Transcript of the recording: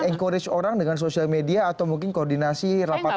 encourage orang dengan sosial media atau mungkin koordinasi rapat